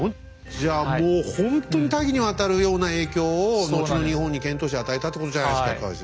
じゃあもうほんとに多岐にわたるような影響を後の日本に遣唐使与えたってことじゃないですか河合先生。